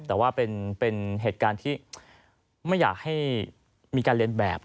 แต่ว่าเป็นเหตุการณ์ที่ไม่อยากให้มีการเรียนแบบ